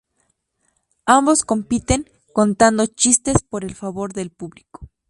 Ambos compiten, contando chistes, por el favor del público.